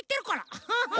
アハハハ。